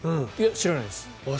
知らないです。